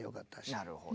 なるほど。